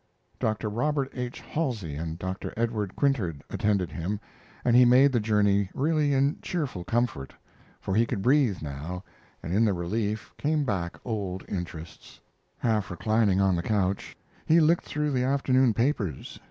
Dr. Robert H. Halsey and Dr. Edward Quintard attended him, and he made the journey really in cheerful comfort, for he could breathe now, and in the relief came back old interests. Half reclining on the couch, he looked through the afternoon papers.